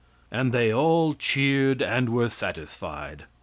And they all cheered, and were satisfied.